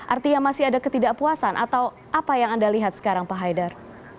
artinya masih ada ketidakpuasan atau apa yang anda lihat sekarang pak haidar